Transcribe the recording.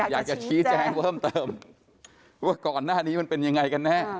อยากจะชี้แจงเพิ่มเติมว่าก่อนหน้านี้มันเป็นยังไงกันแน่